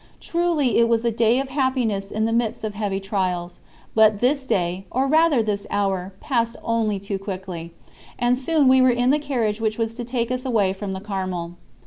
Truly it was a day of happiness in the midst of heavy trials; but this day, or rather this hour, passed only too quickly, and soon we were in the carriage which was to take us away from the Carmel.